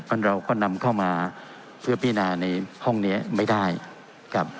เพราะฉะนั้นเราก็นำเข้ามาเพื่อพินาในห้องนี้ไม่ได้ครับ